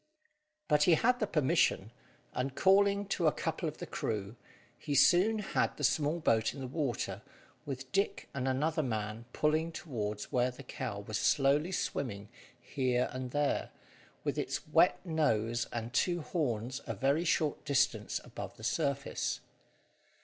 But he had the permission, and calling to a couple of the crew, he soon had the small boat in the water, with Dick and another man pulling towards where the cow was slowly swimming here and there, with its wet nose and two horns a very short distance above the surface.